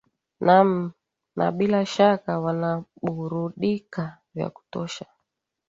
naam na bila shaka wanaburudika vya kutosha